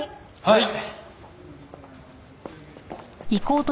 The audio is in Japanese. はい。